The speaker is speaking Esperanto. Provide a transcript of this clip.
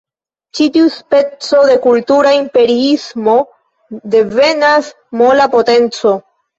Ĉi tiu speco de kultura imperiismo devenas "mola potenco".